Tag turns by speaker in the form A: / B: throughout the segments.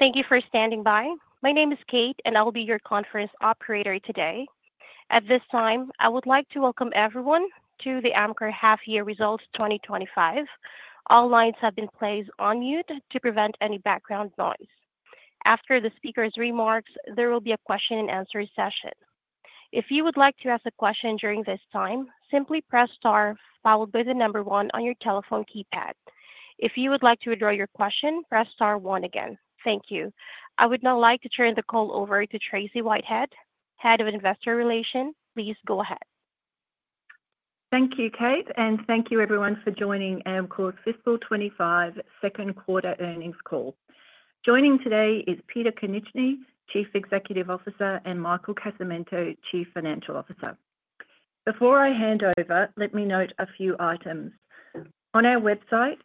A: Thank you for standing by. My name is Kate, and I'll be your conference operator today. At this time, I would like to welcome everyone to the Amcor half-year results 2025. All lines have been placed on mute to prevent any background noise. After the speaker's remarks, there will be a question-and-answer session. If you would like to ask a question during this time, simply press star, followed by the number one on your telephone keypad. If you would like to withdraw your question, press star one again. Thank you. I would now like to turn the call over to Tracey Whitehead, Head of Investor Relations. Please go ahead.
B: Thank you, Kate, and thank you, everyone, for joining Amcor's fiscal 2025 second quarter earnings call. Joining today is Peter Konieczny, Chief Executive Officer, and Michael Casamento, Chief Financial Officer. Before I hand over, let me note a few items. On our website,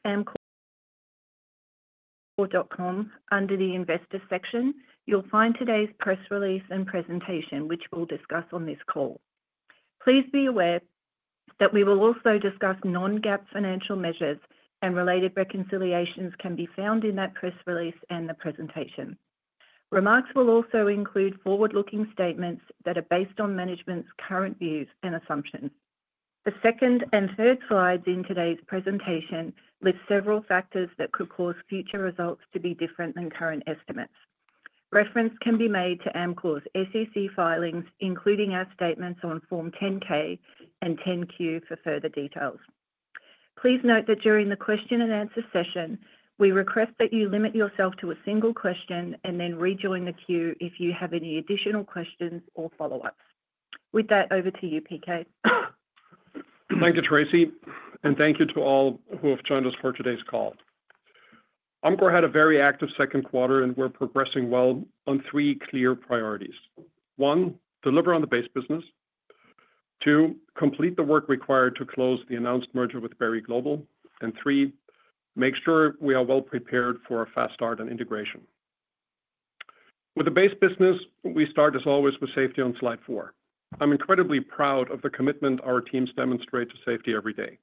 B: Amcor.com, under the Investor section, you'll find today's press release and presentation, which we'll discuss on this call. Please be aware that we will also discuss non-GAAP financial measures, and related reconciliations can be found in that press release and the presentation. Remarks will also include forward-looking statements that are based on management's current views and assumptions. The second and third slides in today's presentation list several factors that could cause future results to be different than current estimates. Reference can be made to Amcor's SEC filings, including our statements on Form 10-K and Form 10-Q for further details. Please note that during the question-and-answer session, we request that you limit yourself to a single question and then rejoin the queue if you have any additional questions or follow-ups. With that, over to you, Peter.
C: Thank you, Tracey, and thank you to all who have joined us for today's call. Amcor had a very active second quarter, and we're progressing well on three clear priorities. One, deliver on the base business. Two, complete the work required to close the announced merger with Berry Global. And three, make sure we are well prepared for a fast start on integration. With the base business, we start, as always, with safety on slide four. I'm incredibly proud of the commitment our teams demonstrate to safety every day.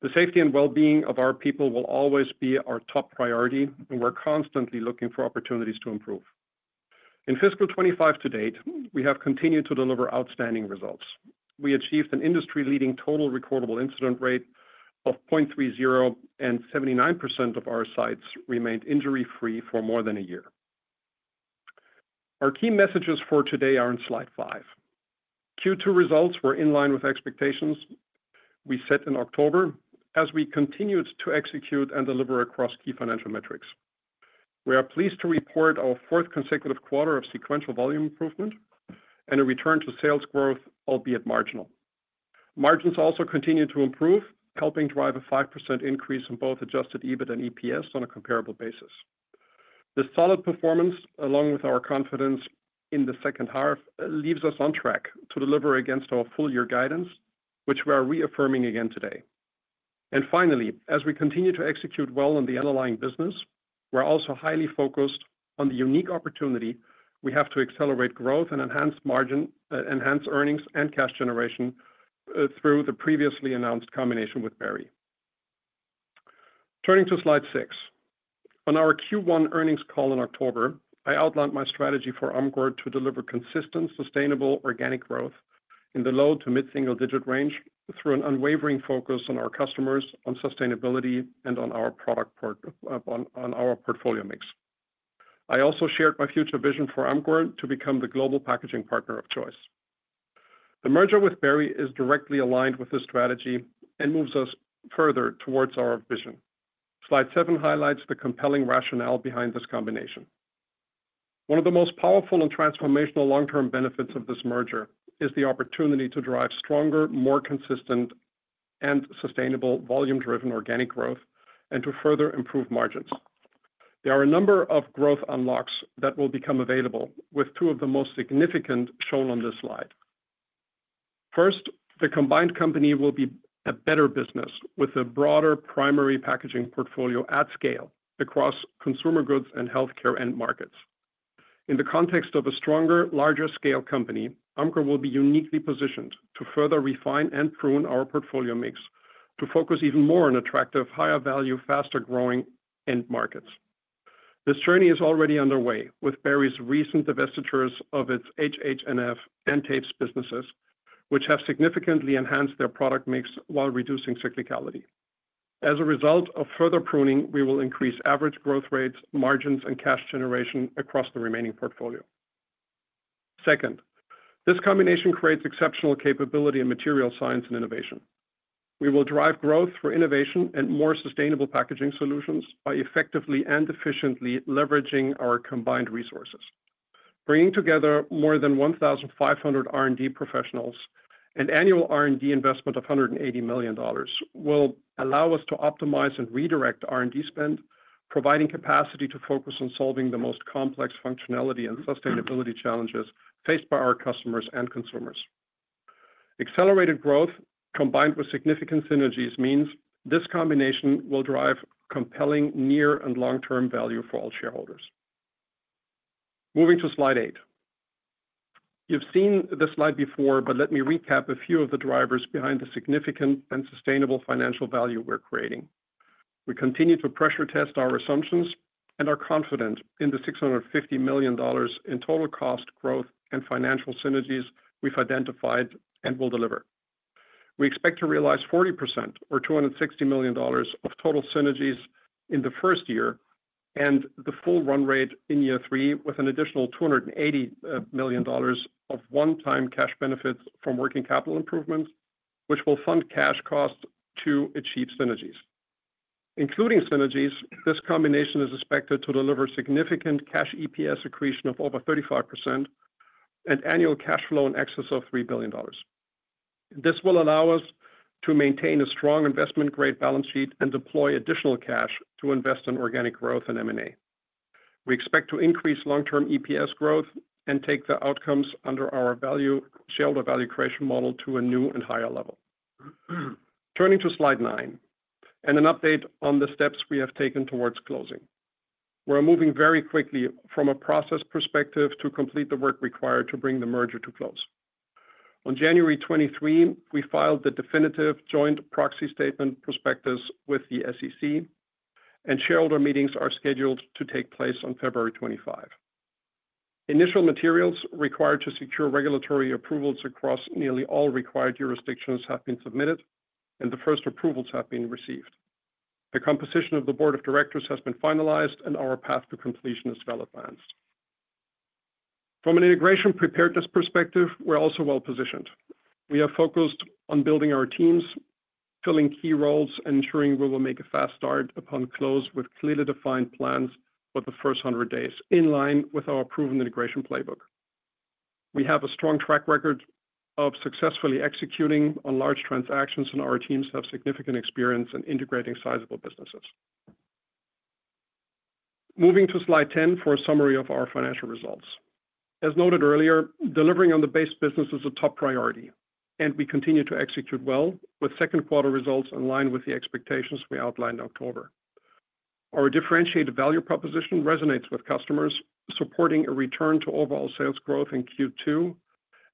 C: The safety and well-being of our people will always be our top priority, and we're constantly looking for opportunities to improve. In fiscal 2025 to date, we have continued to deliver outstanding results. We achieved an industry-leading total recordable incident rate of 0.30, and 79% of our sites remained injury-free for more than a year. Our key messages for today are on slide five. Q2 results were in line with expectations we set in October as we continued to execute and deliver across key financial metrics. We are pleased to report our fourth consecutive quarter of sequential volume improvement and a return to sales growth, albeit marginal. Margins also continue to improve, helping drive a 5% increase in both adjusted EBIT and EPS on a comparable basis. This solid performance, along with our confidence in the second half, leaves us on track to deliver against our full-year guidance, which we are reaffirming again today. And finally, as we continue to execute well on the underlying business, we're also highly focused on the unique opportunity we have to accelerate growth and enhance earnings and cash generation through the previously announced combination with Berry. Turning to slide six, on our Q1 earnings call in October, I outlined my strategy for Amcor to deliver consistent, sustainable organic growth in the low to mid-single-digit range through an unwavering focus on our customers, on sustainability, and on our portfolio mix. I also shared my future vision for Amcor to become the global packaging partner of choice. The merger with Berry is directly aligned with this strategy and moves us further towards our vision. Slide seven highlights the compelling rationale behind this combination. One of the most powerful and transformational long-term benefits of this merger is the opportunity to drive stronger, more consistent, and sustainable volume-driven organic growth and to further improve margins. There are a number of growth unlocks that will become available, with two of the most significant shown on this slide. First, the combined company will be a better business with a broader primary packaging portfolio at scale across consumer goods and healthcare end markets. In the context of a stronger, larger-scale company, Amcor will be uniquely positioned to further refine and prune our portfolio mix to focus even more on attractive, higher-value, faster-growing end markets. This journey is already underway with Berry's recent divestitures of its HH&S and Tapes businesses, which have significantly enhanced their product mix while reducing cyclicality. As a result of further pruning, we will increase average growth rates, margins, and cash generation across the remaining portfolio. Second, this combination creates exceptional capability in material science and innovation. We will drive growth for innovation and more sustainable packaging solutions by effectively and efficiently leveraging our combined resources. Bringing together more than 1,500 R&D professionals and an annual R&D investment of $180 million will allow us to optimize and redirect R&D spend, providing capacity to focus on solving the most complex functionality and sustainability challenges faced by our customers and consumers. Accelerated growth combined with significant synergies means this combination will drive compelling near and long-term value for all shareholders. Moving to slide eight. You've seen this slide before, but let me recap a few of the drivers behind the significant and sustainable financial value we're creating. We continue to pressure test our assumptions and are confident in the $650 million in total cost growth and financial synergies we've identified and will deliver. We expect to realize 40% or $260 million of total synergies in the first year and the full run rate in year three with an additional $280 million of 1x cash benefits from working capital improvements, which will fund cash costs to achieve synergies. Including synergies, this combination is expected to deliver significant cash EPS accretion of over 35% and annual cash flow in excess of $3 billion. This will allow us to maintain a strong investment-grade balance sheet and deploy additional cash to invest in organic growth and M&A. We expect to increase long-term EPS growth and take the outcomes under our shareholder value creation model to a new and higher level. Turning to slide nine and an update on the steps we have taken towards closing. We're moving very quickly from a process perspective to complete the work required to bring the merger to close. On January 23, we filed the Definitive Joint Proxy Statement/Prospectus with the SEC, and shareholder meetings are scheduled to take place on February 25. Initial materials required to secure regulatory approvals across nearly all required jurisdictions have been submitted, and the first approvals have been received. The composition of the board of directors has been finalized, and our path to completion is well advanced. From an integration preparedness perspective, we're also well positioned. We have focused on building our teams, filling key roles, and ensuring we will make a fast start upon close with clearly defined plans for the first 100 days in line with our proven integration playbook. We have a strong track record of successfully executing on large transactions, and our teams have significant experience in integrating sizable businesses. Moving to slide 10 for a summary of our financial results. As noted earlier, delivering on the base business is a top priority, and we continue to execute well with second quarter results in line with the expectations we outlined in October. Our differentiated value proposition resonates with customers, supporting a return to overall sales growth in Q2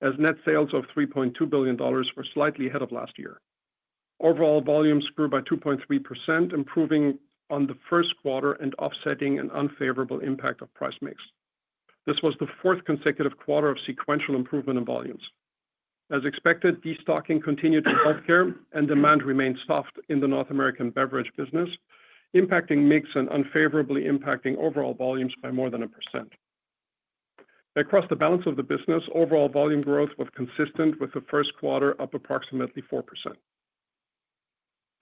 C: as net sales of $3.2 billion were slightly ahead of last year. Overall volumes grew by 2.3%, improving on the first quarter and offsetting an unfavorable impact of price mix. This was the fourth consecutive quarter of sequential improvement in volumes. As expected, destocking continued in healthcare and demand remained soft in the North American beverage business, impacting mix and unfavorably impacting overall volumes by more than 1%. Across the balance of the business, overall volume growth was consistent with the first quarter, up approximately 4%.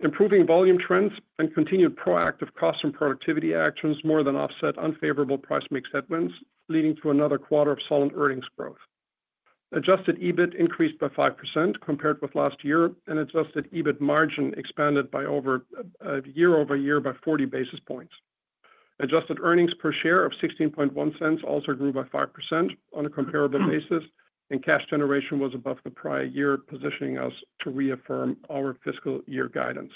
C: Improving volume trends and continued proactive cost and productivity actions more than offset unfavorable price mix headwinds, leading to another quarter of solid earnings growth. Adjusted EBIT increased by 5% compared with last year, and adjusted EBIT margin expanded year-over-year by 40 basis points. Adjusted earnings per share of $0.161 also grew by 5% on a comparable basis, and cash generation was above the prior year, positioning us to reaffirm our fiscal year guidance.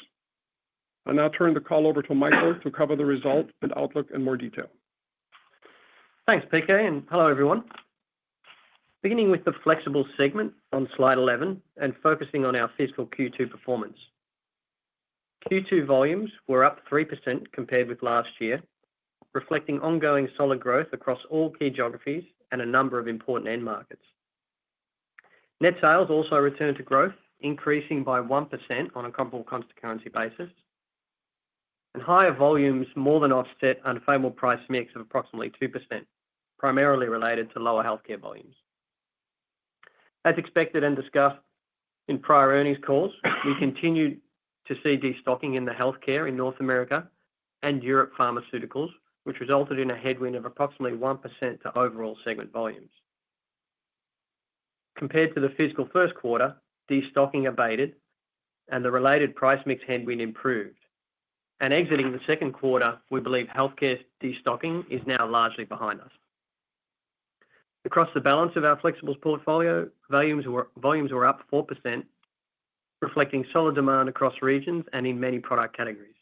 C: I'll now turn the call over to Michael to cover the result and outlook in more detail.
D: Thanks, Peter, and hello, everyone. Beginning with the flexible segment on slide 11 and focusing on our fiscal Q2 performance. Q2 volumes were up 3% compared with last year, reflecting ongoing solid growth across all key geographies and a number of important end markets. Net sales also returned to growth, increasing by 1% on a comparable cost-to-currency basis, and higher volumes more than offset unfavorable price mix of approximately 2%, primarily related to lower healthcare volumes. As expected and discussed in prior earnings calls, we continued to see destocking in the healthcare in North America and Europe pharmaceuticals, which resulted in a headwind of approximately 1% to overall segment volumes. Compared to the fiscal first quarter, destocking abated, and the related price mix headwind improved, and exiting the second quarter, we believe healthcare destocking is now largely behind us. Across the balance of our flexible portfolio, volumes were up 4%, reflecting solid demand across regions and in many product categories.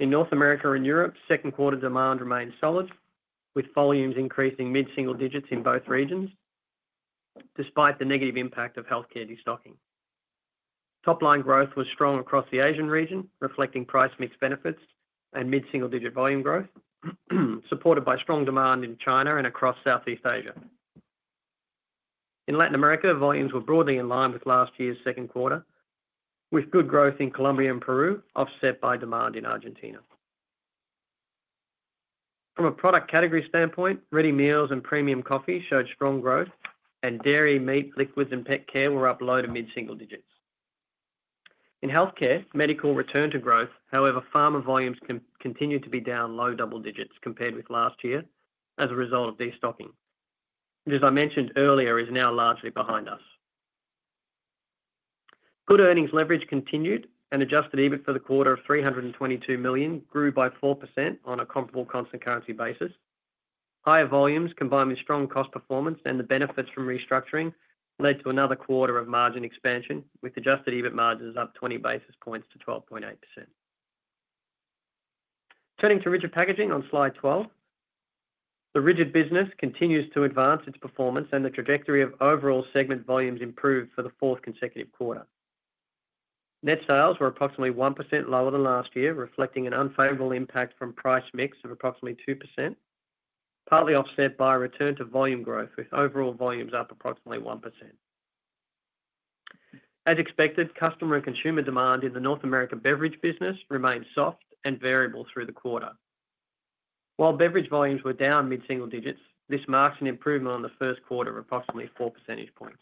D: In North America and Europe, second quarter demand remained solid, with volumes increasing mid-single digits in both regions, despite the negative impact of healthcare destocking. Top-line growth was strong across the Asian region, reflecting price mix benefits and mid-single-digit volume growth, supported by strong demand in China and across Southeast Asia. In Latin America, volumes were broadly in line with last year's second quarter, with good growth in Colombia and Peru offset by demand in Argentina. From a product category standpoint, ready meals and premium coffee showed strong growth, and dairy, meat, liquids, and pet care were up low to mid-single digits. In healthcare, medical returned to growth. However, pharma volumes continued to be down low double digits compared with last year as a result of destocking, which, as I mentioned earlier, is now largely behind us. Good earnings leverage continued, and adjusted EBIT for the quarter of $322 million grew by 4% on a comparable cost-to-currency basis. Higher volumes, combined with strong cost performance and the benefits from restructuring, led to another quarter of margin expansion, with adjusted EBIT margins up 20 basis points to 12.8%. Turning to rigid packaging on slide 12, the rigid business continues to advance its performance, and the trajectory of overall segment volumes improved for the fourth consecutive quarter. Net sales were approximately 1% lower than last year, reflecting an unfavorable impact from price mix of approximately 2%, partly offset by return to volume growth, with overall volumes up approximately 1%. As expected, customer and consumer demand in the North American beverage business remained soft and variable through the quarter. While beverage volumes were down mid-single digits, this marks an improvement on the first quarter of approximately 4 percentage points.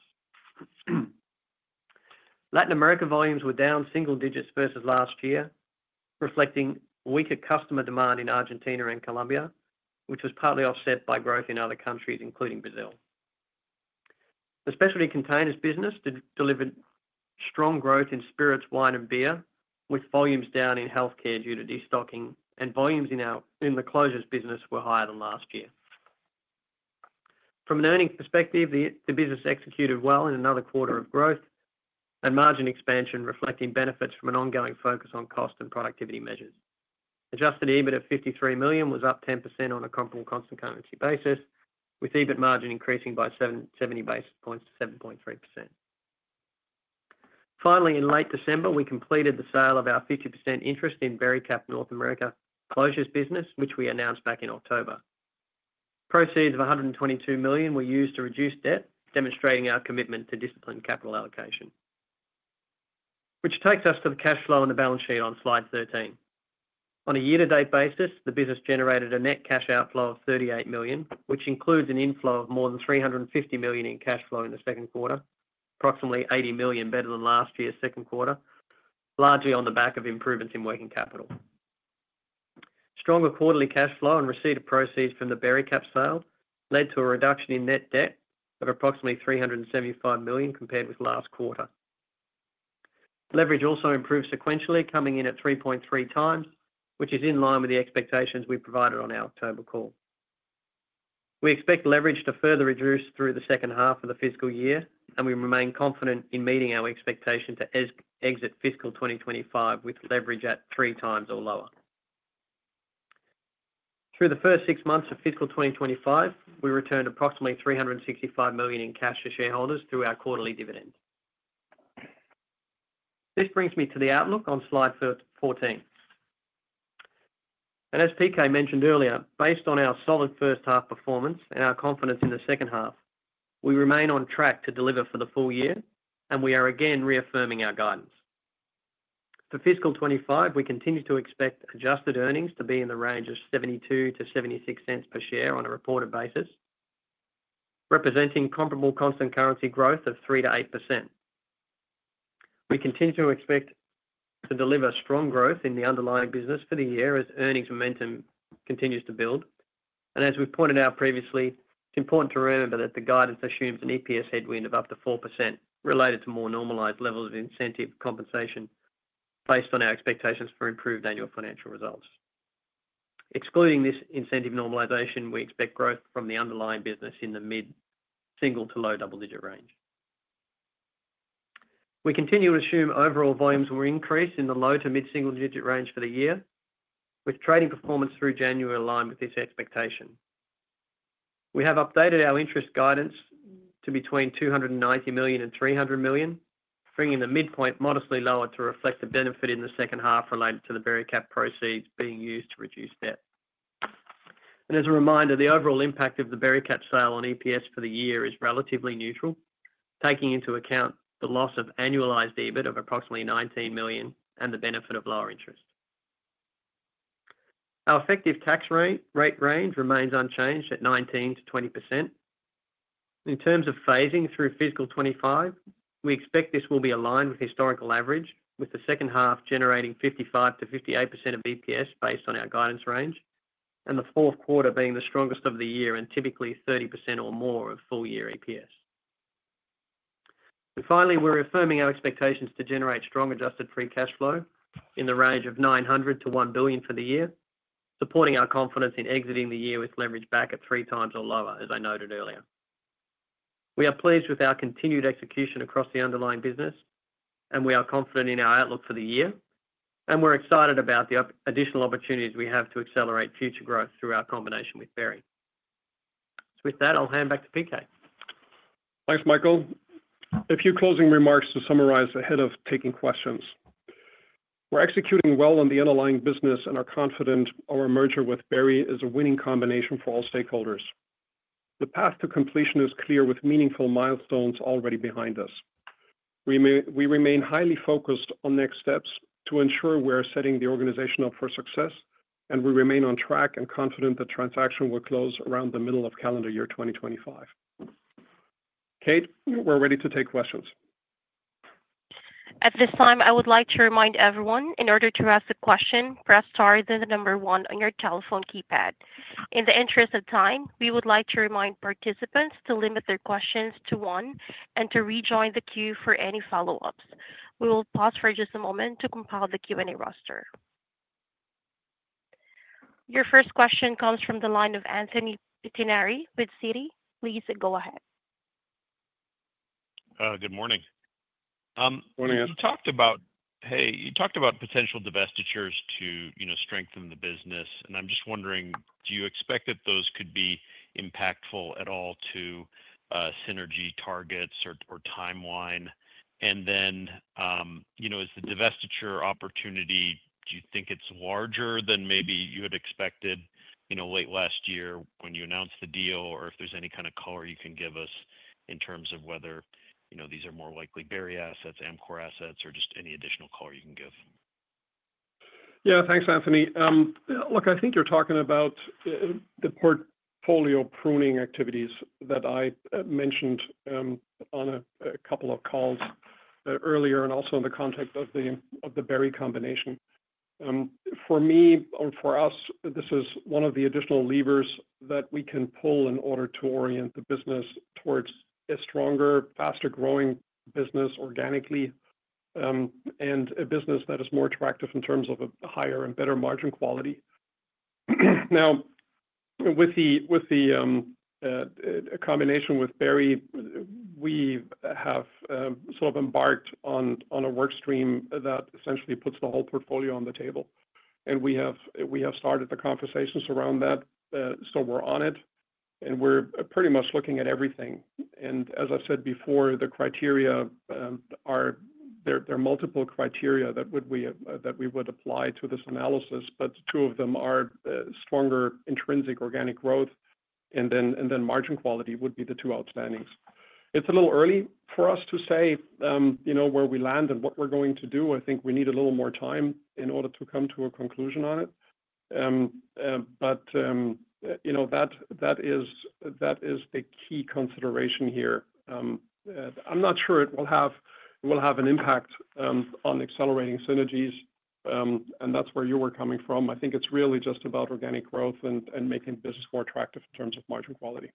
D: Latin America volumes were down single digits versus last year, reflecting weaker customer demand in Argentina and Colombia, which was partly offset by growth in other countries, including Brazil. The specialty containers business delivered strong growth in spirits, wine, and beer, with volumes down in healthcare due to destocking, and volumes in the closures business were higher than last year. From an earnings perspective, the business executed well in another quarter of growth and margin expansion, reflecting benefits from an ongoing focus on cost and productivity measures. Adjusted EBIT of $53 million was up 10% on a comparable constant-currency basis, with EBIT margin increasing by 70 basis points to 7.3%. Finally, in late December, we completed the sale of our 50% interest in Bericap North America closures business, which we announced back in October. Proceeds of $122 million were used to reduce debt, demonstrating our commitment to disciplined capital allocation. Which takes us to the cash flow on the balance sheet on slide 13. On a year-to-date basis, the business generated a net cash outflow of $38 million, which includes an inflow of more than $350 million in cash flow in the second quarter, approximately $80 million better than last year's second quarter, largely on the back of improvements in working capital. Stronger quarterly cash flow and receipt of proceeds from the Bericap sale led to a reduction in net debt of approximately $375 million compared with last quarter. Leverage also improved sequentially, coming in at 3.3x, which is in line with the expectations we provided on our October call. We expect leverage to further reduce through the second half of the fiscal year, and we remain confident in meeting our expectation to exit fiscal 2025 with leverage at 3x or lower. Through the first six months of fiscal 2025, we returned approximately $365 million in cash to shareholders through our quarterly dividend. This brings me to the outlook on slide 14, and as Peter mentioned earlier, based on our solid first-half performance and our confidence in the second half, we remain on track to deliver for the full year, and we are again reaffirming our guidance. For fiscal 2025, we continue to expect adjusted earnings to be in the range of $0.72-$0.76 per share on a reported basis, representing comparable constant-currency growth of 3%-8%. We continue to expect to deliver strong growth in the underlying business for the year as earnings momentum continues to build. As we pointed out previously, it's important to remember that the guidance assumes an EPS headwind of up to 4% related to more normalized levels of incentive compensation based on our expectations for improved annual financial results. Excluding this incentive normalization, we expect growth from the underlying business in the mid-single to low double-digit range. We continue to assume overall volumes will increase in the low to mid-single-digit range for the year, with trading performance through January aligned with this expectation. We have updated our interest guidance to between $290 million and $300 million, bringing the midpoint modestly lower to reflect the benefit in the second half related to the Bericap proceeds being used to reduce debt, and as a reminder, the overall impact of the Bericap sale on EPS for the year is relatively neutral, taking into account the loss of annualized EBIT of approximately $19 million and the benefit of lower interest. Our effective tax rate range remains unchanged at 19%-20%. In terms of phasing through fiscal 2025, we expect this will be aligned with historical average, with the second half generating 55%-58% of EPS based on our guidance range, and the fourth quarter being the strongest of the year and typically 30% or more of full-year EPS. Finally, we're affirming our expectations to generate strong adjusted free cash flow in the range of $900 million-$1 billion for the year, supporting our confidence in exiting the year with leverage back at three times or lower, as I noted earlier. We are pleased with our continued execution across the underlying business, and we are confident in our outlook for the year, and we're excited about the additional opportunities we have to accelerate future growth through our combination with Berry. With that, I'll hand back to Peter.
C: Thanks, Michael. A few closing remarks to summarize ahead of taking questions. We're executing well on the underlying business, and our confidence, our merger with Berry is a winning combination for all stakeholders. The path to completion is clear, with meaningful milestones already behind us. We remain highly focused on next steps to ensure we're setting the organization up for success, and we remain on track and confident the transaction will close around the middle of calendar year 2025. Kate, we're ready to take questions.
A: At this time, I would like to remind everyone, in order to ask a question, press star then the number one on your telephone keypad. In the interest of time, we would like to remind participants to limit their questions to one and to rejoin the queue for any follow-ups. We will pause for just a moment to compile the Q&A roster. Your first question comes from the line of Anthony Pettinari with Citi. Please go ahead.
E: Good morning.
C: Morning.
E: You talked about potential divestitures to strengthen the business, and I'm just wondering, do you expect that those could be impactful at all to synergy targets or timeline? And then, is the divestiture opportunity, do you think it's larger than maybe you had expected late last year when you announced the deal, or if there's any kind of color you can give us in terms of whether these are more likely Berry assets, Amcor assets, or just any additional color you can give?
C: Yeah, thanks, Anthony. Look, I think you're talking about the portfolio pruning activities that I mentioned on a couple of calls earlier and also in the context of the Berry combination. For me or for us, this is one of the additional levers that we can pull in order to orient the business towards a stronger, faster-growing business organically and a business that is more attractive in terms of a higher and better margin quality. Now, with the combination with Berry, we have sort of embarked on a workstream that essentially puts the whole portfolio on the table, and we have started the conversations around that, so we're on it, and we're pretty much looking at everything. As I said before, the criteria, there are multiple criteria that we would apply to this analysis, but two of them are stronger intrinsic organic growth, and then margin quality would be the two outstandings. It's a little early for us to say where we land and what we're going to do. I think we need a little more time in order to come to a conclusion on it, but that is the key consideration here. I'm not sure it will have an impact on accelerating synergies, and that's where you were coming from. I think it's really just about organic growth and making business more attractive in terms of margin quality.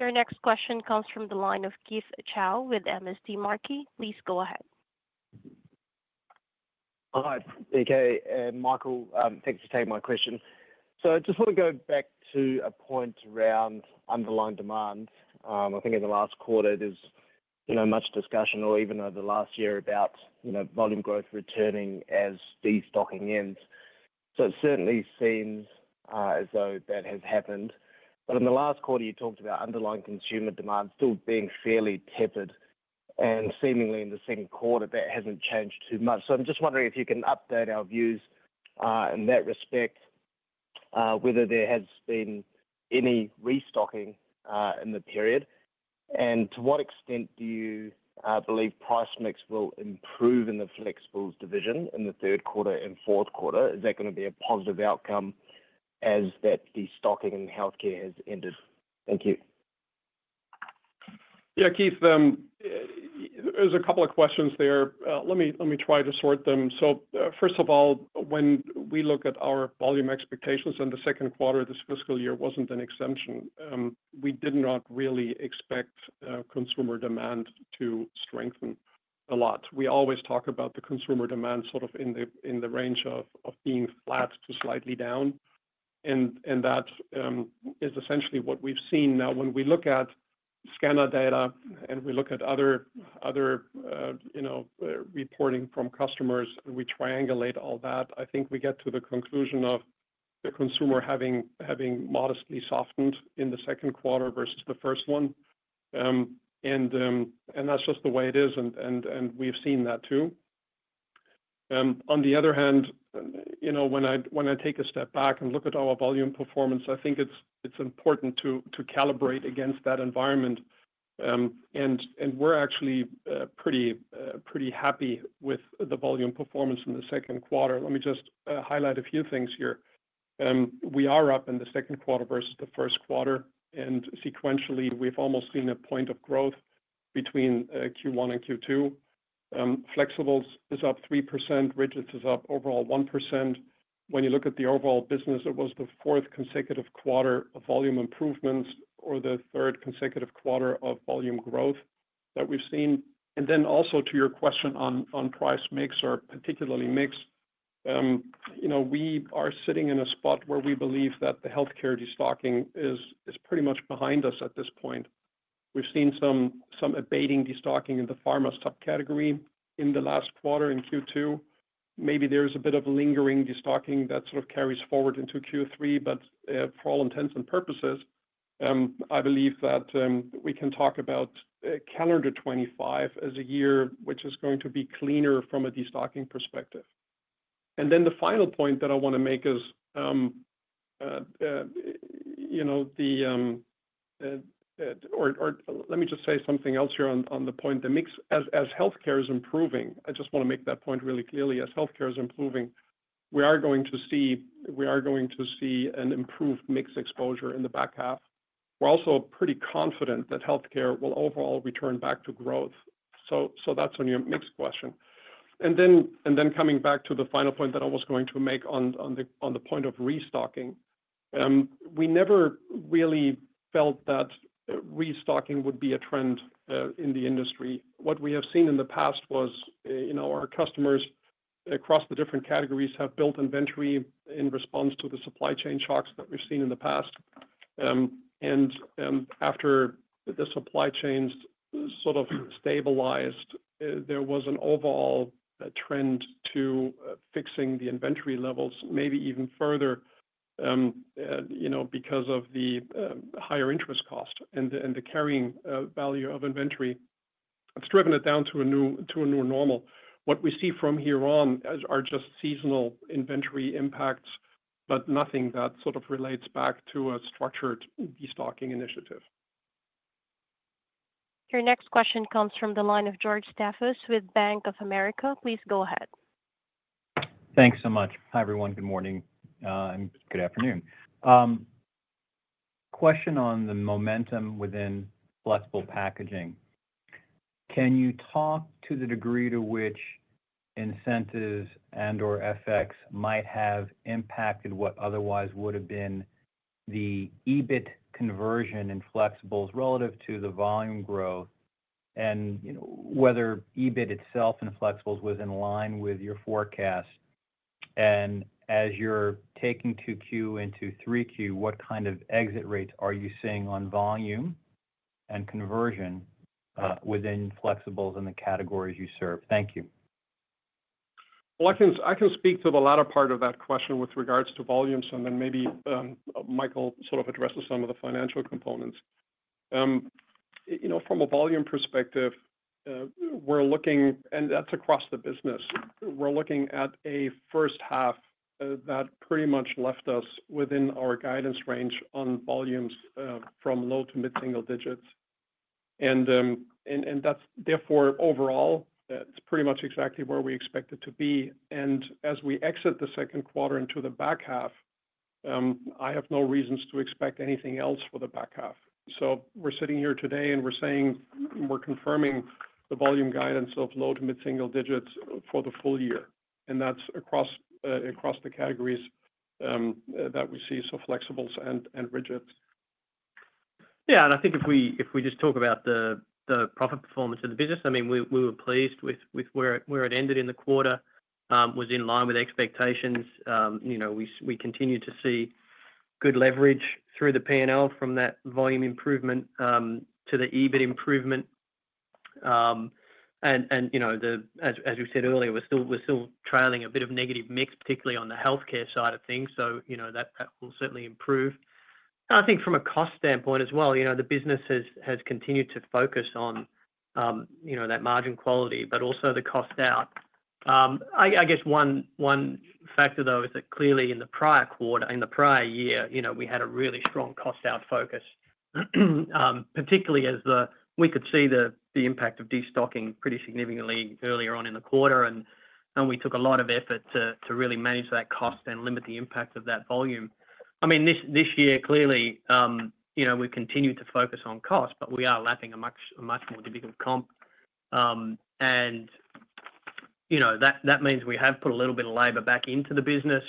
A: Your next question comes from the line of Keith Chau with MST Marquee. Please go ahead.
F: Hi, Peter and Michael. Thanks for taking my question. So I just want to go back to a point around underlying demand. I think in the last quarter, there's much discussion, or even over the last year, about volume growth returning as destocking ends. So it certainly seems as though that has happened, but in the last quarter, you talked about underlying consumer demand still being fairly tepid, and seemingly in the second quarter, that hasn't changed too much. So I'm just wondering if you can update our views in that respect, whether there has been any restocking in the period, and to what extent do you believe price mix will improve in the flexible division in the third quarter and fourth quarter? Is that going to be a positive outcome as that destocking in healthcare has ended? Thank you.
C: Yeah, Keith, there's a couple of questions there. Let me try to sort them. So first of all, when we look at our volume expectations in the second quarter of this fiscal year wasn't an exception. We did not really expect consumer demand to strengthen a lot. We always talk about the consumer demand sort of in the range of being flat to slightly down, and that is essentially what we've seen. Now, when we look at scanner data and we look at other reporting from customers and we triangulate all that, I think we get to the conclusion of the consumer having modestly softened in the second quarter versus the first one, and that's just the way it is, and we've seen that too. On the other hand, when I take a step back and look at our volume performance, I think it's important to calibrate against that environment, and we're actually pretty happy with the volume performance in the second quarter. Let me just highlight a few things here. We are up in the second quarter versus the first quarter, and sequentially, we've almost seen a point of growth between Q1 and Q2. Flexibles is up 3%, rigid is up overall 1%. When you look at the overall business, it was the fourth consecutive quarter of volume improvements or the third consecutive quarter of volume growth that we've seen, and then also to your question on price mix or particularly mix, we are sitting in a spot where we believe that the healthcare destocking is pretty much behind us at this point. We've seen some abating destocking in the pharma subcategory in the last quarter in Q2. Maybe there's a bit of lingering destocking that sort of carries forward into Q3, but for all intents and purposes, I believe that we can talk about calendar 2025 as a year which is going to be cleaner from a destocking perspective. And then the final point that I want to make is the, or let me just say something else here on the point, the mix, as healthcare is improving, I just want to make that point really clearly, as healthcare is improving, we are going to see, we are going to see an improved mix exposure in the back half. We're also pretty confident that healthcare will overall return back to growth. So that's on your mix question. And then coming back to the final point that I was going to make on the point of restocking, we never really felt that restocking would be a trend in the industry. What we have seen in the past was our customers across the different categories have built inventory in response to the supply chain shocks that we've seen in the past. And after the supply chains sort of stabilized, there was an overall trend to fixing the inventory levels, maybe even further because of the higher interest cost and the carrying value of inventory. It's driven it down to a new normal. What we see from here on are just seasonal inventory impacts, but nothing that sort of relates back to a structured destocking initiative.
A: Your next question comes from the line of George Staphos with Bank of America. Please go ahead.
G: Thanks so much. Hi, everyone. Good morning and good afternoon. Question on the momentum within flexible packaging. Can you talk to the degree to which incentives and/or FX might have impacted what otherwise would have been the EBIT conversion in flexibles relative to the volume growth and whether EBIT itself in flexibles was in line with your forecast, and as you're taking 2Q into 3Q, what kind of exit rates are you seeing on volume and conversion within flexibles in the categories you serve? Thank you.
C: I can speak to the latter part of that question with regards to volumes, and then maybe Michael sort of addresses some of the financial components. From a volume perspective, we're looking, and that's across the business, at a first half that pretty much left us within our guidance range on volumes from low to mid-single digits. And therefore, overall, it's pretty much exactly where we expect it to be. And as we exit the second quarter into the back half, I have no reasons to expect anything else for the back half. So we're sitting here today and we're saying, we're confirming the volume guidance of low to mid-single digits for the full year, and that's across the categories that we see, so flexibles and rigids.
D: Yeah, and I think if we just talk about the profit performance of the business, I mean, we were pleased with where it ended in the quarter. It was in line with expectations. We continue to see good leverage through the P&L from that volume improvement to the EBIT improvement. And as we said earlier, we're still trailing a bit of negative mix, particularly on the healthcare side of things, so that will certainly improve. I think from a cost standpoint as well, the business has continued to focus on that margin quality, but also the cost out. I guess one factor, though, is that clearly in the prior quarter, in the prior year, we had a really strong cost out focus, particularly as we could see the impact of destocking pretty significantly earlier on in the quarter, and we took a lot of effort to really manage that cost and limit the impact of that volume. I mean, this year, clearly, we continue to focus on cost, but we are lapping a much more difficult comp, and that means we have put a little bit of labor back into the business,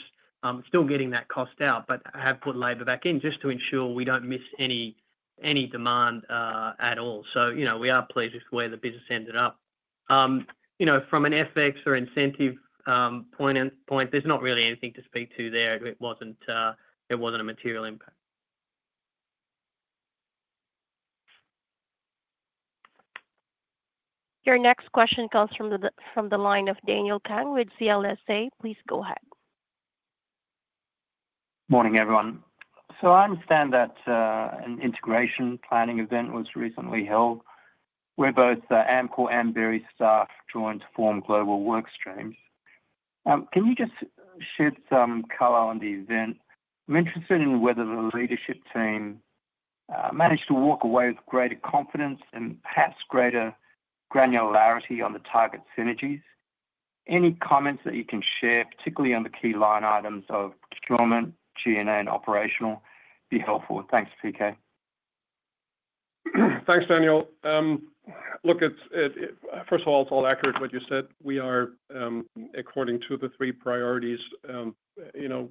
D: still getting that cost out, but have put labor back in just to ensure we don't miss any demand at all. So we are pleased with where the business ended up. From an FX or incentive point, there's not really anything to speak to there. It wasn't a material impact.
A: Your next question comes from the line of Daniel Kang with CLSA. Please go ahead.
H: Morning, everyone. So I understand that an integration planning event was recently held where both Amcor and Berry staff joined to form global workstreams. Can you just shed some color on the event? I'm interested in whether the leadership team managed to walk away with greater confidence and perhaps greater granularity on the target synergies. Any comments that you can share, particularly on the key line items of procurement, G&A, and operational, would be helpful. Thanks, Peter.
C: Thanks, Daniel. Look, first of all, it's all accurate what you said. We are, according to the three priorities,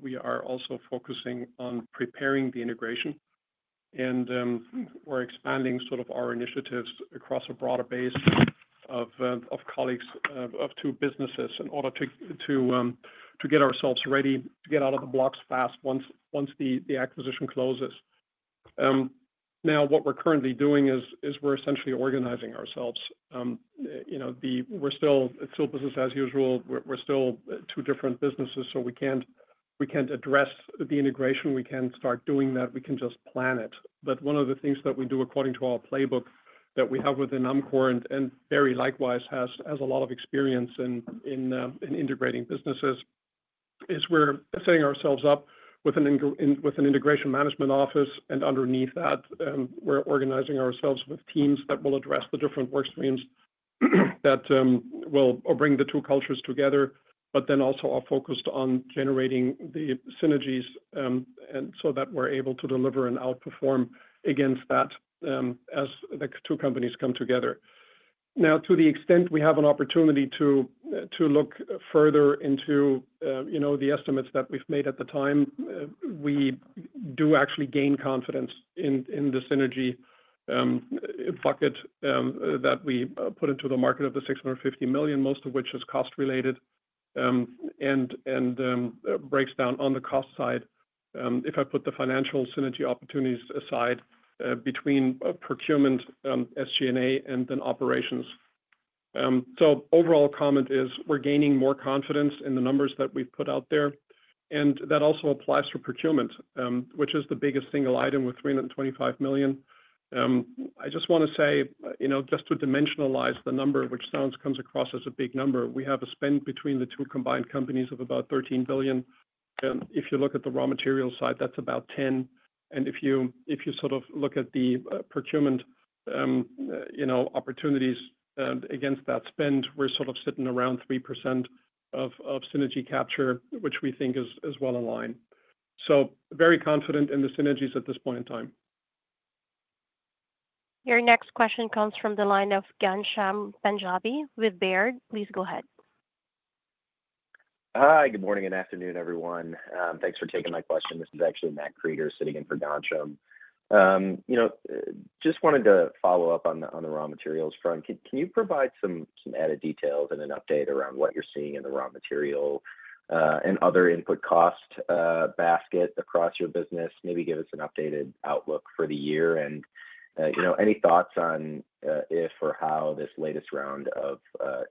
C: we are also focusing on preparing the integration, and we're expanding sort of our initiatives across a broader base of colleagues of two businesses in order to get ourselves ready to get out of the blocks fast once the acquisition closes. Now, what we're currently doing is we're essentially organizing ourselves. We're still business as usual. We're still two different businesses, so we can't address the integration. We can't start doing that. We can just plan it. One of the things that we do according to our playbook that we have within Amcor and Berry likewise has a lot of experience in integrating businesses is we're setting ourselves up with an Integration Management Office, and underneath that, we're organizing ourselves with teams that will address the different workstreams that will bring the two cultures together, but then also are focused on generating the synergies so that we're able to deliver and outperform against that as the two companies come together. Now, to the extent we have an opportunity to look further into the estimates that we've made at the time, we do actually gain confidence in the synergy bucket that we put into the market of the $650 million, most of which is cost-related and breaks down on the cost side, if I put the financial synergy opportunities aside between procurement, SG&A, and then operations. So overall comment is we're gaining more confidence in the numbers that we've put out there, and that also applies to procurement, which is the biggest single item with $325 million. I just want to say, just to dimensionalize the number, which comes across as a big number, we have a spend between the two combined companies of about $13 billion. If you look at the raw material side, that's about $10 billion, and if you sort of look at the procurement opportunities against that spend, we're sort of sitting around 3% of synergy capture, which we think is well aligned. So very confident in the synergies at this point in time.
A: Your next question comes from the line of Ghansham Panjabi with Baird. Please go ahead.
I: Hi, good morning and afternoon, everyone. Thanks for taking my question. This is actually Matt Krueger sitting in for Ghansham. Just wanted to follow up on the raw materials front. Can you provide some added details and an update around what you're seeing in the raw material and other input cost basket across your business? Maybe give us an updated outlook for the year and any thoughts on if or how this latest round of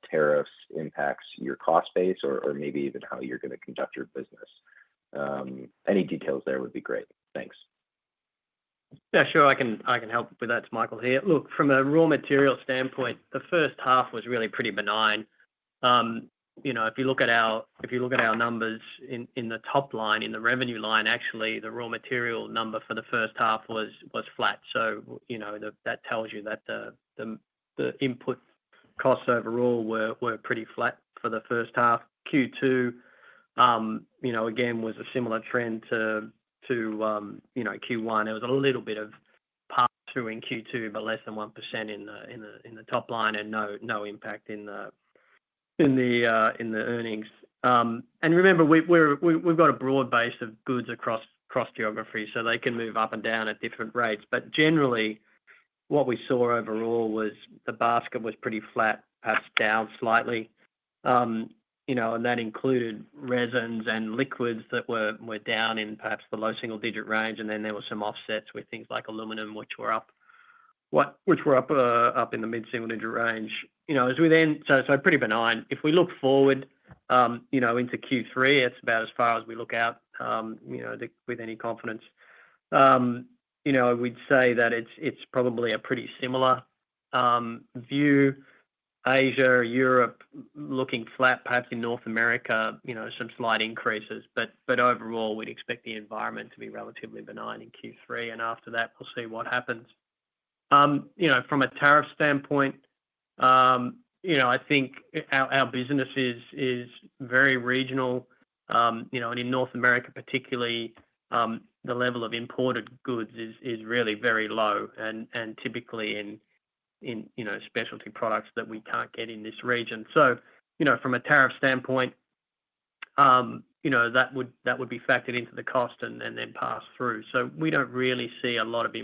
I: tariffs impacts your cost base or maybe even how you're going to conduct your business? Any details there would be great. Thanks.
D: Yeah, sure. I can help with that, Michael here. Look, from a raw materials standpoint, the first half was really pretty benign. If you look at our numbers in the top line, in the revenue line, actually, the raw material number for the first half was flat. So that tells you that the input costs overall were pretty flat for the first half. Q2, again, was a similar trend to Q1. There was a little bit of pass through in Q2, but less than 1% in the top line and no impact in the earnings. And remember, we've got a broad base of goods across geography, so they can move up and down at different rates. But generally, what we saw overall was the basket was pretty flat, perhaps down slightly, and that included resins and liquids that were down in perhaps the low single digit range, and then there were some offsets with things like aluminum, which were up in the mid-single digit range. So pretty benign. If we look forward into Q3, it's about as far as we look out with any confidence. We'd say that it's probably a pretty similar view: Asia, Europe looking flat, perhaps in North America, some slight increases. But overall, we'd expect the environment to be relatively benign in Q3, and after that, we'll see what happens. From a tariff standpoint, I think our business is very regional, and in North America, particularly, the level of imported goods is really very low and typically in specialty products that we can't get in this region. So from a tariff standpoint, that would be factored into the cost and then passed through. So we don't really see a lot of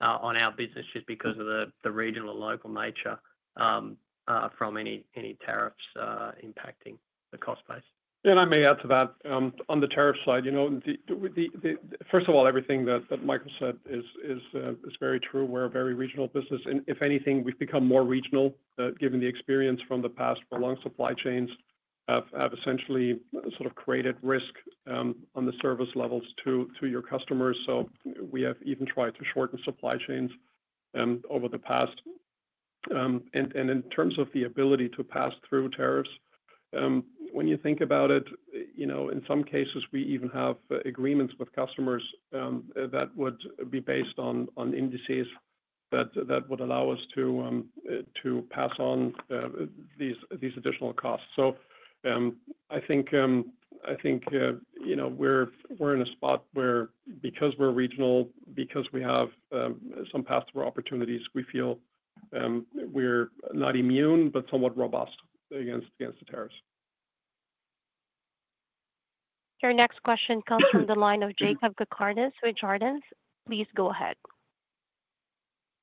D: impact on our business just because of the regional and local nature from any tariffs impacting the cost base.
C: I may add to that. On the tariff side, first of all, everything that Michael said is very true. We're a very regional business. If anything, we've become more regional given the experience from the past where long supply chains have essentially sort of created risk on the service levels to your customers. So we have even tried to shorten supply chains over the past. And in terms of the ability to pass through tariffs, when you think about it, in some cases, we even have agreements with customers that would be based on indices that would allow us to pass on these additional costs. So I think we're in a spot where, because we're regional, because we have some pass-through opportunities, we feel we're not immune but somewhat robust against the tariffs.
A: Your next question comes from the line of Jakob Cakarnis with Jarden. Please go ahead.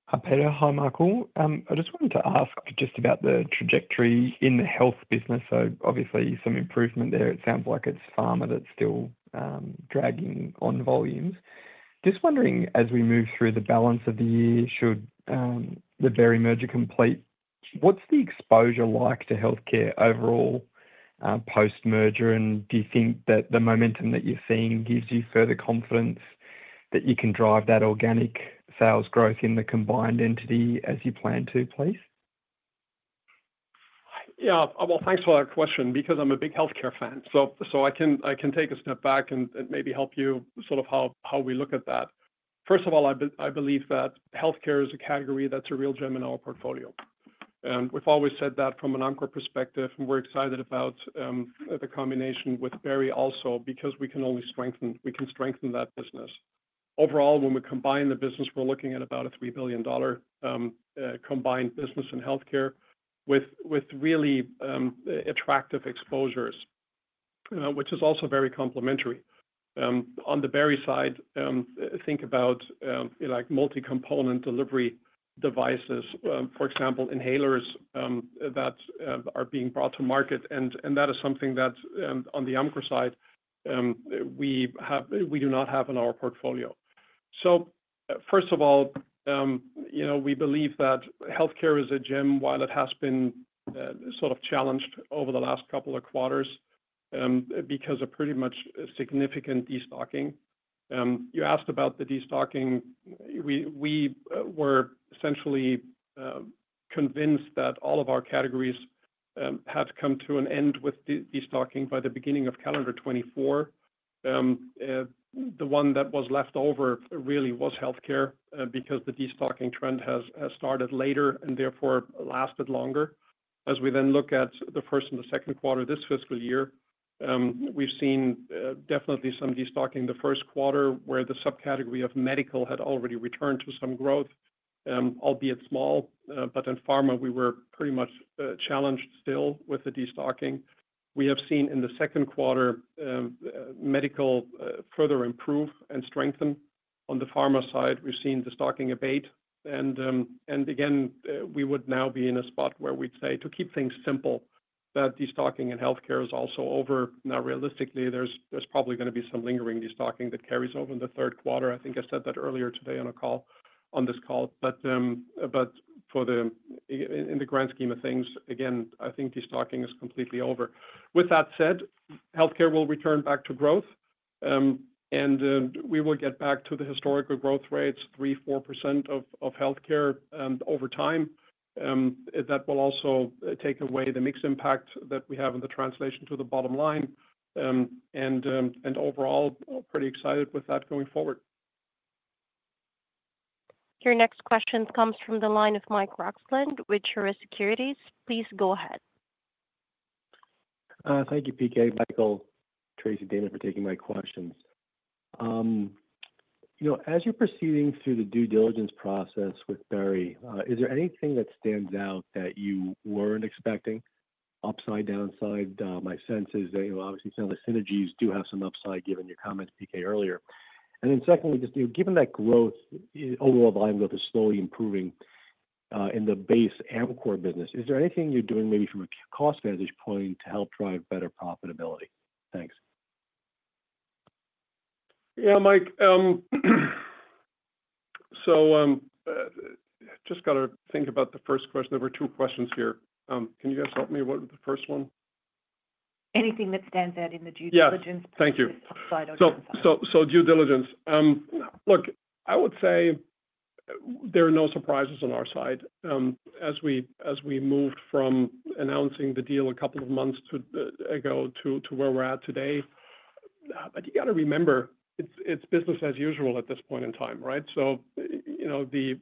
J: Hi, Peter. Hi, Michael. I just wanted to ask just about the trajectory in the health business. So obviously, some improvement there. It sounds like it's pharma, but it's still dragging on volumes. Just wondering, as we move through the balance of the year, should the Berry merger complete, what's the exposure like to healthcare overall post-merger? And do you think that the momentum that you're seeing gives you further confidence that you can drive that organic sales growth in the combined entity as you plan to, please?
C: Yeah. Well, thanks for that question because I'm a big healthcare fan. So I can take a step back and maybe help you sort of how we look at that. First of all, I believe that healthcare is a category that's a real gem in our portfolio. And we've always said that from an Amcor perspective, and we're excited about the combination with Berry also because we can only strengthen that business. Overall, when we combine the business, we're looking at about a $3 billion combined business in healthcare with really attractive exposures, which is also very complementary. On the Berry side, think about multi-component delivery devices, for example, inhalers that are being brought to market. And that is something that, on the Amcor side, we do not have in our portfolio. So first of all, we believe that healthcare is a gem while it has been sort of challenged over the last couple of quarters because of pretty much significant destocking. You asked about the destocking. We were essentially convinced that all of our categories had come to an end with destocking by the beginning of calendar 2024. The one that was left over really was healthcare because the destocking trend has started later and therefore lasted longer. As we then look at the first and the second quarter of this fiscal year, we've seen definitely some destocking the first quarter where the subcategory of medical had already returned to some growth, albeit small. But in pharma, we were pretty much challenged still with the destocking. We have seen in the second quarter medical further improve and strengthen. On the pharma side, we've seen the destocking abate. Again, we would now be in a spot where we'd say, to keep things simple, that destocking in healthcare is also over. Now, realistically, there's probably going to be some lingering destocking that carries over in the third quarter. I think I said that earlier today on this call. But in the grand scheme of things, again, I think destocking is completely over. With that said, healthcare will return back to growth, and we will get back to the historical growth rates, 3%-4% of healthcare over time. That will also take away the mixed impact that we have in the translation to the bottom line. Overall, pretty excited with that going forward.
A: Your next question comes from the line of Mike Roxland, with Truist Securities. Please go ahead.
K: Thank you, Peter, Michael, Tracey, Daniel, for taking my questions. As you're proceeding through the due diligence process with Berry, is there anything that stands out that you weren't expecting? Upside, downside. My sense is that obviously, some of the synergies do have some upside given your comments, Peter, earlier. And then secondly, just given that growth, overall volume growth is slowly improving in the base Amcor business, is there anything you're doing maybe from a cost vantage point to help drive better profitability? Thanks.
C: Yeah, Mike. So I just got to think about the first question. There were two questions here. Can you guys help me? What was the first one?
B: Anything that stands out in the due diligence?
C: Yeah. Thank you. So due diligence. Look, I would say there are no surprises on our side. As we moved from announcing the deal a couple of months ago to where we're at today, but you got to remember, it's business as usual at this point in time, right? So the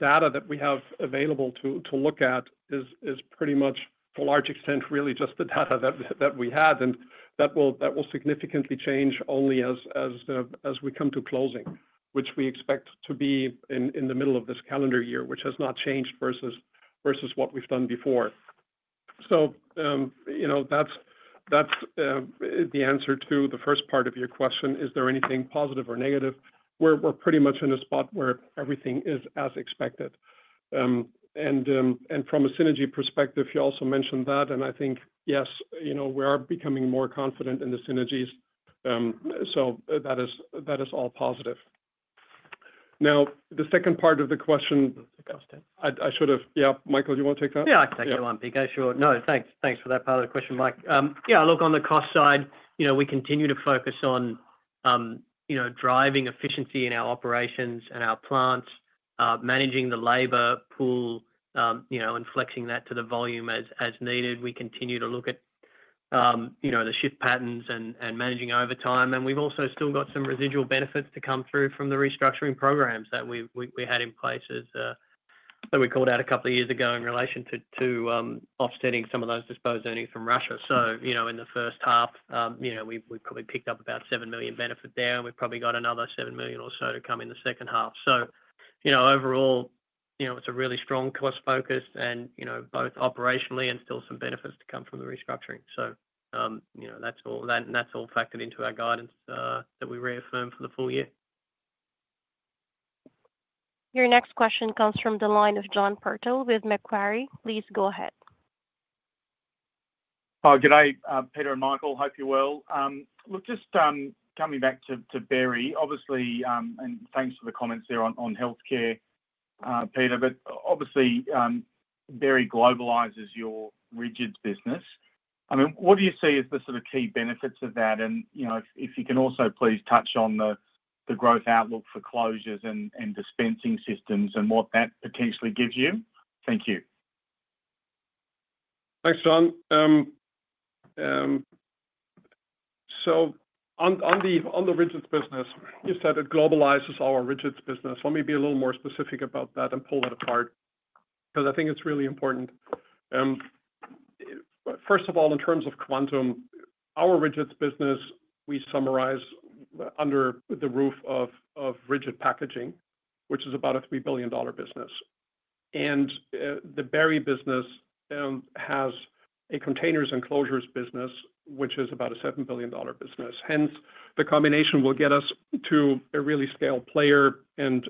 C: data that we have available to look at is pretty much, to a large extent, really just the data that we had, and that will significantly change only as we come to closing, which we expect to be in the middle of this calendar year, which has not changed versus what we've done before. So that's the answer to the first part of your question. Is there anything positive or negative? We're pretty much in a spot where everything is as expected. And from a synergy perspective, you also mentioned that, and I think, yes, we are becoming more confident in the synergies. So that is all positive. Now, the second part of the question.
D: I'll take that.
C: Yeah, Michael, do you want to take that?
D: Yeah, I'll take that one, Peter. No, thanks for that part of the question, Mike. Yeah, look, on the cost side, we continue to focus on driving efficiency in our operations and our plants, managing the labor pool, and flexing that to the volume as needed. We continue to look at the shift patterns and managing overtime. And we've also still got some residual benefits to come through from the restructuring programs that we had in place that we called out a couple of years ago in relation to offsetting some of those disposed earnings from Russia. So in the first half, we've probably picked up about $7 million benefit there, and we've probably got another $7 million or so to come in the second half. So overall, it's a really strong cost focus and both operationally and still some benefits to come from the restructuring. So that's all factored into our guidance that we reaffirm for the full year.
A: Your next question comes from the line of John Purtell with Macquarie. Please go ahead.
L: Hi, good day, Peter and Michael. Hope you're well. Look, just coming back to Berry, obviously, and thanks for the comments there on healthcare, Peter, but obviously, Berry globalizes your rigid business. I mean, what do you see as the sort of key benefits of that? And if you can also please touch on the growth outlook for closures and dispensing systems and what that potentially gives you. Thank you.
C: Thanks, John. So on the rigid business, you said it globalizes our rigid business. Let me be a little more specific about that and pull that apart because I think it's really important. First of all, in terms of quantum, our rigid business, we summarize under the roof of rigid packaging, which is about a $3 billion business. And the Berry business has a containers and closures business, which is about a $7 billion business. Hence, the combination will get us to a really scaled player and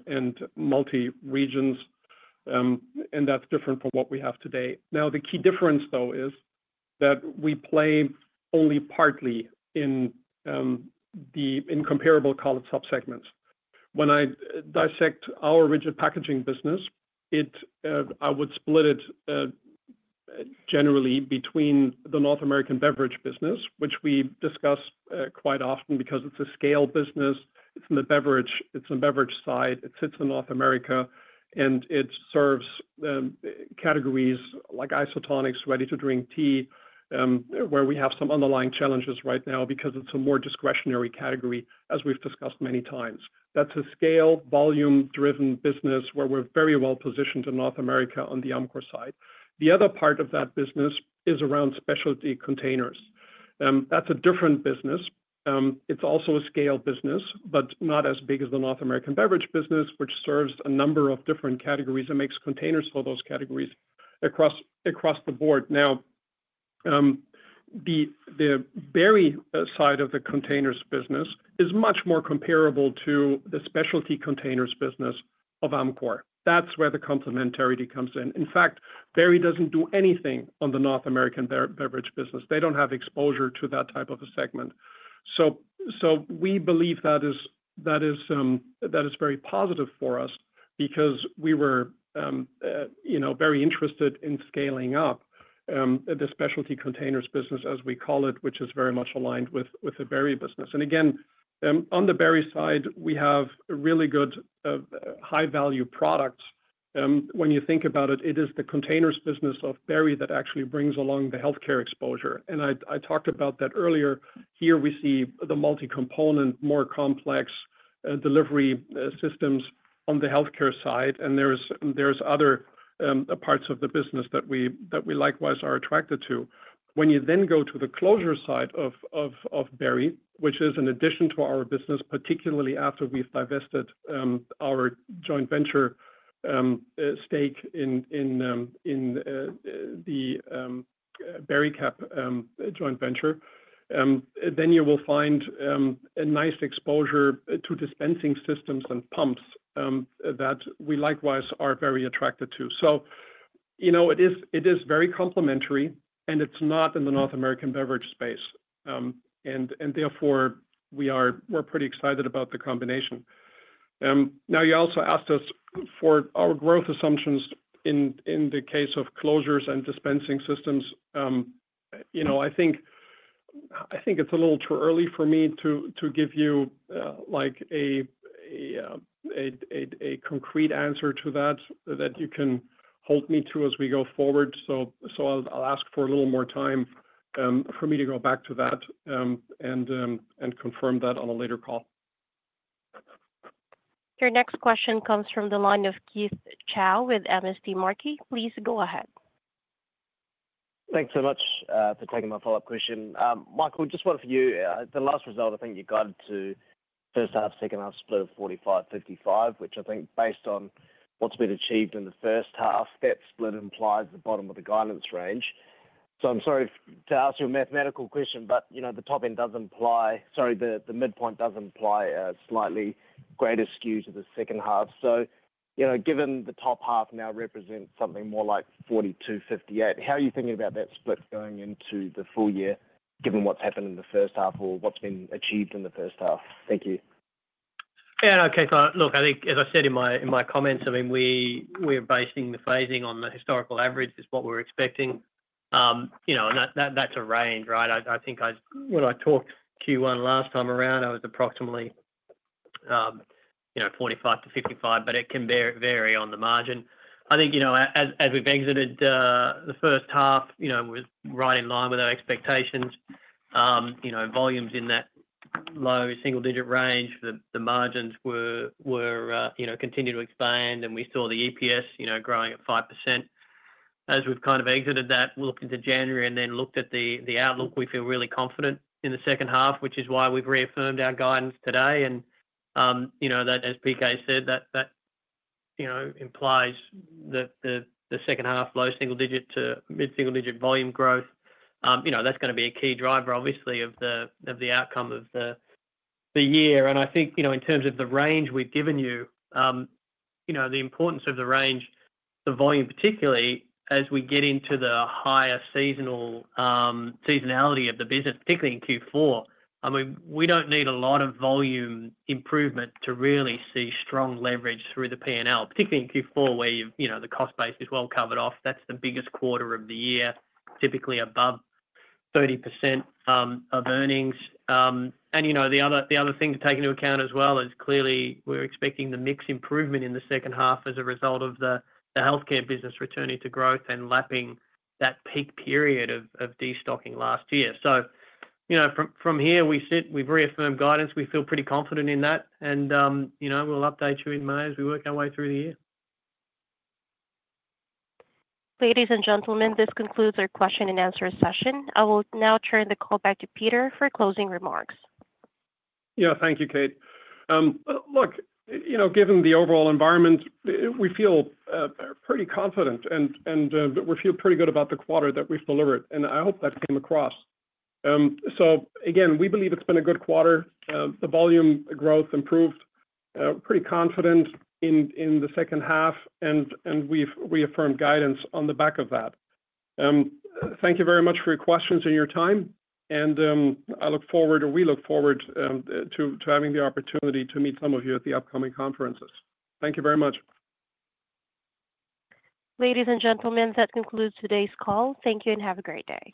C: multi-regions, and that's different from what we have today. Now, the key difference, though, is that we play only partly in comparable category subsegments. When I dissect our rigid packaging business, I would split it generally between the North American beverage business, which we discuss quite often because it's a scale business. It's in the beverage side. It sits in North America, and it serves categories like isotonics, ready-to-drink tea, where we have some underlying challenges right now because it's a more discretionary category, as we've discussed many times. That's a scale volume-driven business where we're very well positioned in North America on the Amcor side. The other part of that business is around specialty containers. That's a different business. It's also a scale business, but not as big as the North American beverage business, which serves a number of different categories and makes containers for those categories across the board. Now, the Berry side of the containers business is much more comparable to the specialty containers business of Amcor. That's where the complementarity comes in. In fact, Berry doesn't do anything on the North American beverage business. They don't have exposure to that type of a segment. So we believe that is very positive for us because we were very interested in scaling up the specialty containers business, as we call it, which is very much aligned with the Berry business. And again, on the Berry side, we have really good high-value products. When you think about it, it is the containers business of Berry that actually brings along the healthcare exposure. And I talked about that earlier. Here we see the multi-component, more complex delivery systems on the healthcare side, and there's other parts of the business that we likewise are attracted to. When you then go to the closure side of Berry, which is in addition to our business, particularly after we've divested our joint venture stake in the Bericap joint venture, then you will find a nice exposure to dispensing systems and pumps that we likewise are very attracted to. So it is very complementary, and it's not in the North American beverage space. And therefore, we're pretty excited about the combination. Now, you also asked us for our growth assumptions in the case of closures and dispensing systems. I think it's a little too early for me to give you a concrete answer to that that you can hold me to as we go forward. So I'll ask for a little more time for me to go back to that and confirm that on a later call.
A: Your next question comes from the line of Keith Chau with MST Marquee. Please go ahead.
F: Thanks so much for taking my follow-up question. Michael, just one for you. The last result, I think you got to first half, second half split of 45/55, which I think based on what's been achieved in the first half, that split implies the bottom of the guidance range. So I'm sorry to ask you a mathematical question, but the top end does imply sorry, the midpoint does imply a slightly greater skew to the second half. So given the top half now represents something more like 42/58, how are you thinking about that split going into the full year given what's happened in the first half or what's been achieved in the first half? Thank you.
D: Yeah, no, okay. Look, I think, as I said in my comments, I mean, we're basing the phasing on the historical average is what we're expecting. That's a range, right? I think when I talked Q1 last time around, I was approximately 45/55, but it can vary on the margin. I think as we've exited the first half, it was right in line with our expectations. Volumes in that low single-digit range, the margins continued to expand, and we saw the EPS growing at 5%. As we've kind of exited that, we'll look into January and then looked at the outlook. We feel really confident in the second half, which is why we've reaffirmed our guidance today. And as Peter said, that implies the second half, low single-digit to mid-single-digit volume growth. That's going to be a key driver, obviously, of the outcome of the year. And I think in terms of the range we've given you, the importance of the range, the volume particularly, as we get into the higher seasonality of the business, particularly in Q4, I mean, we don't need a lot of volume improvement to really see strong leverage through the P&L, particularly in Q4 where the cost base is well covered off. That's the biggest quarter of the year, typically above 30% of earnings. And the other thing to take into account as well is clearly we're expecting the mix improvement in the second half as a result of the healthcare business returning to growth and lapping that peak period of destocking last year. So from here, we've reaffirmed guidance. We feel pretty confident in that, and we'll update you in May as we work our way through the year.
A: Ladies and gentlemen, this concludes our question and answer session. I will now turn the call back to Peter for closing remarks.
C: Yeah, thank you, Kate. Look, given the overall environment, we feel pretty confident, and we feel pretty good about the quarter that we've delivered, and I hope that came across. So again, we believe it's been a good quarter. The volume growth improved, pretty confident in the second half, and we've reaffirmed guidance on the back of that. Thank you very much for your questions and your time, and I look forward, or we look forward, to having the opportunity to meet some of you at the upcoming conferences. Thank you very much.
A: Ladies and gentlemen, that concludes today's call. Thank you and have a great day.